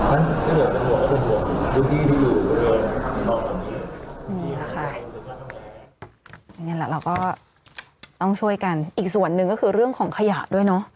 นี่แหละค่ะนี่แหละเราก็ต้องช่วยกันอีกส่วนหนึ่งก็คือเรื่องของขยะด้วยเนอะ